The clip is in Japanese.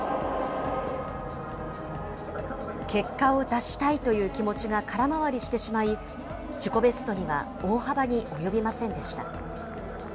結果を出したいという気持ちが空回りしてしまい、自己ベストには大幅に及びませんでした。